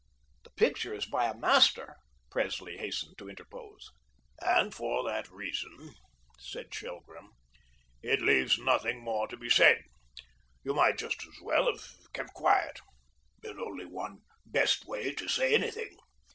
"The picture is by a master," Presley hastened to interpose. "And for that reason," said Shelgrim, "it leaves nothing more to be said. You might just as well have kept quiet. There's only one best way to say anything.